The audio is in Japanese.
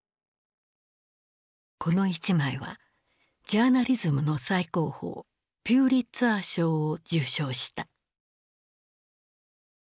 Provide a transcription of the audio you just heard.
この一枚はジャーナリズムの最高峰ピューリッツァー賞を受賞した。